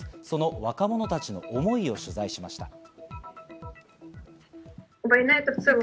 その若者たちの思いを取材しました。